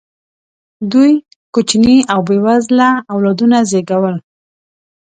دوی کوچني او بې وزله اولادونه زېږول.